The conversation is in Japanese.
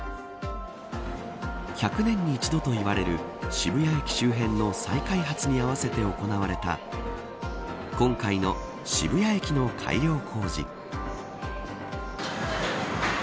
１００年に一度といわれる渋谷駅周辺の再開発にあわせて行われた今回の渋谷駅の改良工事。